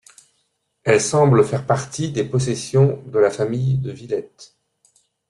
Elle semble faire partie des possessions de la famille de Villette.